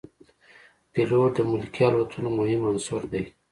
پیلوټ د ملکي الوتنو مهم عنصر دی.